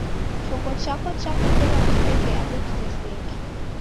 Chongo chako chakuzera kuseke angu kuseseke.